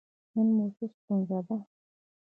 نن مو څه ستونزه ده؟